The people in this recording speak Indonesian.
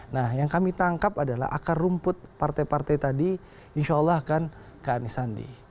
nah yang kami tangkap adalah akar rumput partai partai tadi insya allah akan ke anisandi